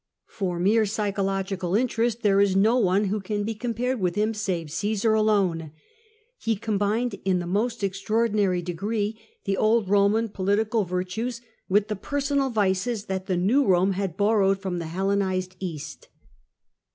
Por mere psychological interest, there is no one who can be compared with him save Cmsar alone. He combined in the most extraoi'dinary degree the old Roman political virtues with the personal vices that the new Rome had borrowed from the Hellenised East.